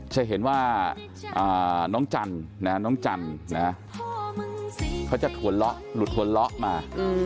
จะเห็นว่าน้องจันน้องจันเขาจะลุดถวลเลาะมา